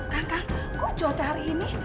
kang kang kok cuaca hari ini